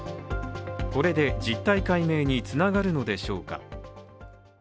これで実態解明につながるのでしょうか。